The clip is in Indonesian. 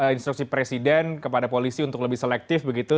instruksi presiden kepada polisi untuk lebih selektif begitu